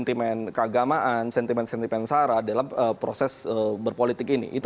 sentimen keagamaan sentimen sentimen sara dalam proses berpolitik ini